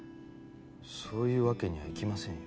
そういうわけにはいきませんよ。